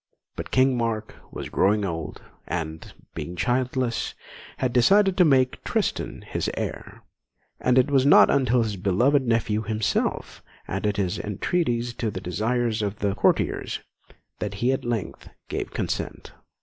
But King Mark was growing old, and, being childless, had decided to make Tristan his heir: and it was not until his beloved nephew himself added his entreaties to the desires of the courtiers that he at length gave consent.